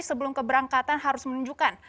sebelum keberangkatan harus menunjukkan